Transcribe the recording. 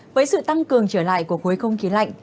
với sự tăng cường trở lại của khối không khí lạnh